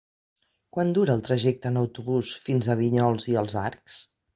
Quant dura el trajecte en autobús fins a Vinyols i els Arcs?